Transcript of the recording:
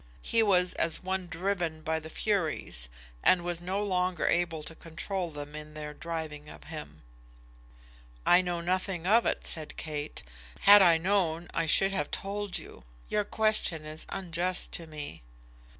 He was as one driven by the Furies, and was no longer able to control them in their driving of him. "I know nothing of it," said Kate. "Had I known I should have told you. Your question is unjust to me."